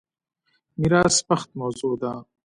میراث بخت موضوع ده.